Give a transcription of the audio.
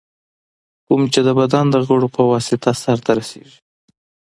کوم چي د بدن د غړو په واسطه سرته رسېږي.